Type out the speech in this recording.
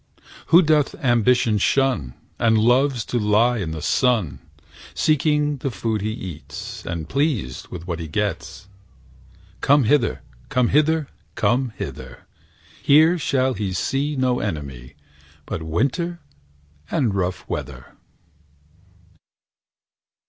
Who doth ambition shun, And loves to live i' the sun, Seeking the food he eats, And pleased with what he gets, Come hither, come hither, come hither: Here shall he see No enemy But winter and rough weather.